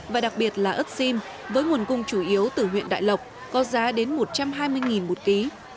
và đặc biệt là ớt xim với nguồn cung chủ yếu từ huyện đại lộc có giá đến một trăm hai mươi một ký